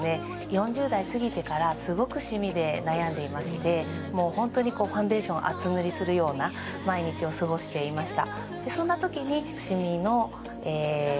４０代過ぎてからすごくシミで悩んでいましてもうホントにこうファンデーションを厚塗りするような毎日を過ごしていました